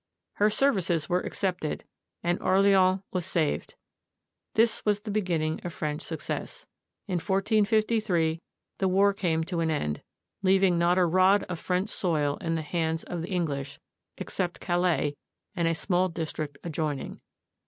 Her services were accepted, and Orleans was saved. This was the beginning of French success. In 1453, the war came to an end, leaving not a rod of French soil in the hands of the English except Calais and a small district adjoining.